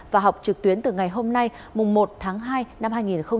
và học trực tuyến từ ngày hôm nay một tháng hai năm hai nghìn hai mươi một